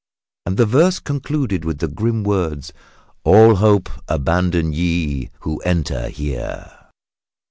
And the verse concluded with the grim words "All Hope Abandon, Ye Who Enter Here."